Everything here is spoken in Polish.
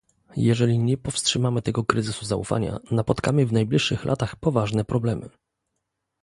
Jeżeli nie powstrzymamy tego kryzysu zaufania, napotkamy w najbliższych latach poważne problemy